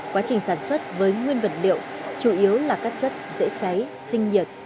quá trình sản xuất với nguyên vật liệu chủ yếu là các chất dễ cháy sinh nhiệt